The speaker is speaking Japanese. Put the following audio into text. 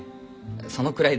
そのくらいで。